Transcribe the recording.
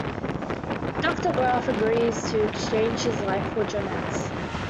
Doctor Garth agrees to exchange his life for Janet's.